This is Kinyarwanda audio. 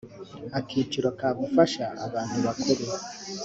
akiciro ka gufasha abantu bakuru